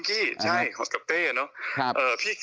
วงหน้าผิด